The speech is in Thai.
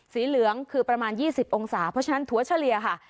สีเหลืองคือประมาณ๒๐องศาเพราะฉะนั้นถั่วเฉลี่ยค่ะ